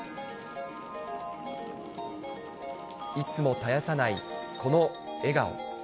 いつも絶やさないこの笑顔。